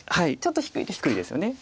ちょっと低いですか。